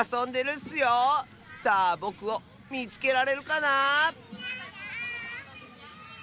さあぼくをみつけられるかな？